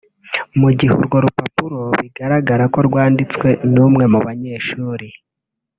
Mu gihe urwo rupapuro bigaragara ko rwanditswe n’umwe mu banyeshuri